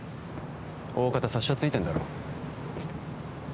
おおかた察しはついてんだろ？